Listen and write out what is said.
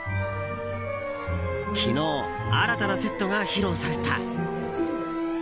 昨日、新たなセットが披露された。